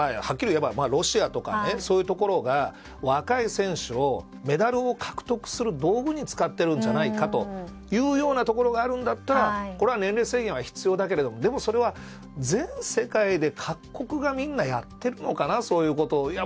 はっきり言えばロシアとかそういうところが若い選手をメダルを獲得する道具に使ってるんじゃないかというようなところがあるんだったら年齢制限は必要だけれどもでも、それは全世界で各国がみんなやってるのかな、そういうことを。